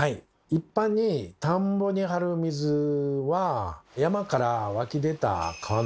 一般に田んぼに張る水は山から湧き出た川の水なんですね。